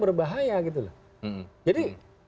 berbahaya gitu loh jadi